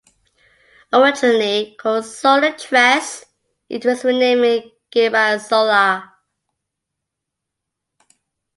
Originally called Solar Tres, it was renamed Gemasolar.